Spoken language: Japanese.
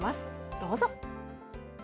どうぞ！